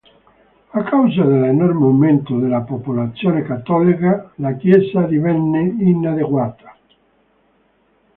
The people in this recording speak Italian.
A causa della enorme aumento della popolazione cattolica, la chiesa divenne inadeguata.